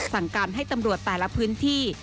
สั่งการให้ตำรวจแต่ละพื้นที่